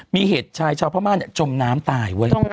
มีเหตุชายชาวพระม่าจมน้ำตาย